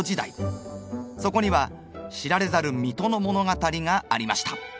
そこには知られざる水戸の物語がありました。